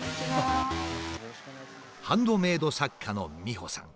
ハンドメイド作家のｍｉｈｏさん。